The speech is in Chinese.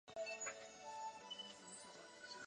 是欧亚大陆与非洲大陆的湿地中极为常见的水鸟。